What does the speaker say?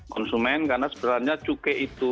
konsumen karena sebenarnya cukai itu